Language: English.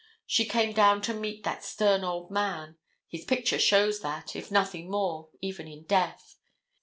She came down to meet that stern old man. His picture shows that, if nothing more, even in death.